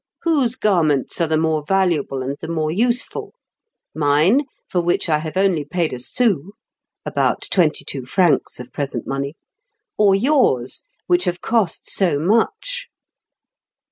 "Whose garments are the more valuable and the more useful? mine, for which I have only paid a sou (about twenty two francs of present money), or yours, which have cost so much?"